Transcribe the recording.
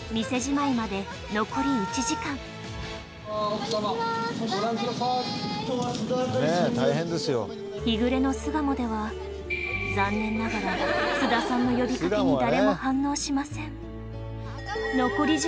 店じまいまで残り１時間日暮れの巣鴨では残念ながら須田さんの呼びかけに誰も反応しません